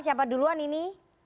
siapa duluan ini